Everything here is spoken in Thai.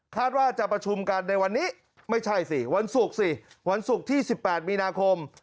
ว่าจะประชุมกันในวันนี้ไม่ใช่สิวันศุกร์สิวันศุกร์ที่๑๘มีนาคม